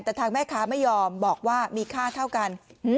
แต่ทางแม่ค้าไม่ยอมบอกว่ามีค่าเท่ากัน